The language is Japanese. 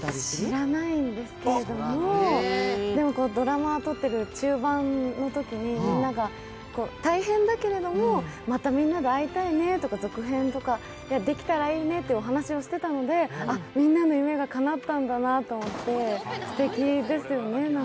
知らないんですけれども、ドラマを撮っている中盤のときにみんなが大変だけれどもまたみんなで会いたいねとか続編とかできたらいいねってお話をしてたので、あっ、みんなの夢がかなったんだなと思って、すてきですよね。